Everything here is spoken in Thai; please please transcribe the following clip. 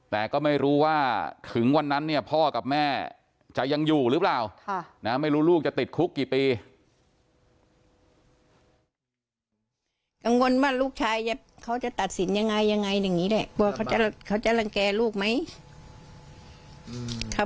แต่ก็ไม่รู้ว่าถึงวันนั้นเนี่ยพ่อกับแม่จะยังอยู่หรือเปล่า